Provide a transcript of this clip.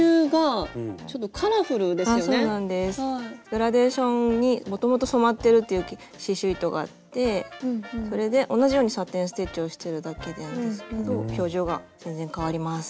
グラデーションにもともと染まってる刺しゅう糸があってそれで同じようにサテン・ステッチをしてるだけなんですけど表情が全然変わります。